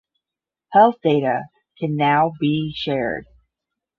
Health data can now be shared.